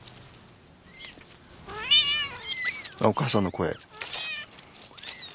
あっお母さんの声。